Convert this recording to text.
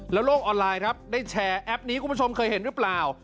โลกออนไลน์ครับได้แชร์แอปนี้คุณผู้ชมเคยเห็นหรือเปล่า